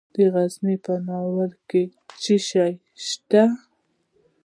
د غزني په ناوور کې څه شی شته؟